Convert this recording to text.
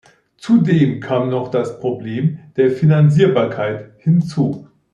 Zudem kam noch das Problem der Finanzierbarkeit hinzu.